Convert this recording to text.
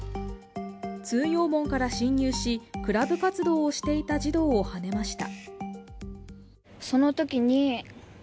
通用門から侵入し、クラブ活動をしていた児童をはねました。